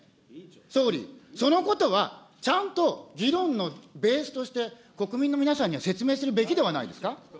総理、そのことはちゃんと議論のベースとして、国民の皆さんには説明するべきではないですか。